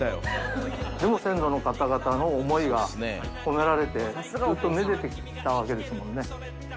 でも先祖の方々の思いが込められて、ずっと愛でてきたわけですもんね。